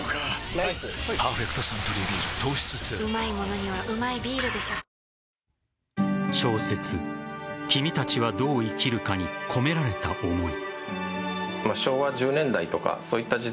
ライス「パーフェクトサントリービール糖質ゼロ」小説「君たちはどう生きるか」に込められた思い。